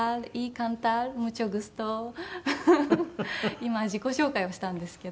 今自己紹介をしたんですけど。